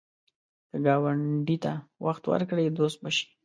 که ګاونډي ته وخت ورکړې، دوست به شي